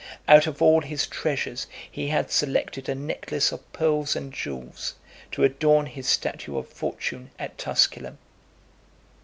Out of all his treasures he had selected a necklace of pearls and jewels, to adorn his statue of Fortune at Tusculum.